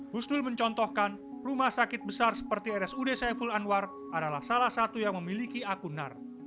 husnul mencontohkan rumah sakit besar seperti rsud saiful anwar adalah salah satu yang memiliki akun nar